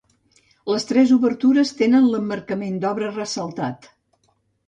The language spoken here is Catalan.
Les tres obertures tenen l'emmarcament d'obra ressaltat.